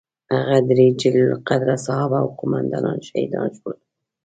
هغه درې جلیل القدره صحابه او قوماندانان شهیدان شول.